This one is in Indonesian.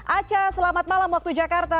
aca selamat malam waktu jakarta